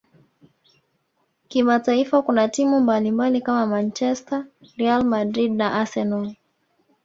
kimataifa kuna timu mbalimbali kama manchester real Madrid na arsenal